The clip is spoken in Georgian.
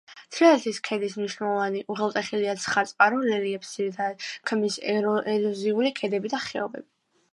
თრიალეთის ქედის მნიშვნელოვანი უღელტეხილია ცხრაწყარო, რელიეფს ძირითადად ქმნის ეროზიული ქედები და ხეობები.